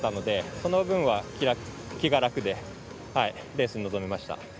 その分は気が楽でレースに臨めました。